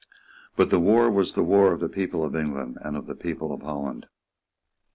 But the war was the war of the people of England and of the people of Holland.